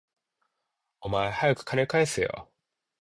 お前、はやく金返せよ